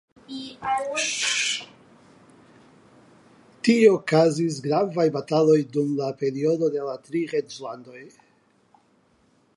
Tie okazis gravaj bataloj dum la periodo de la Tri Reĝlandoj.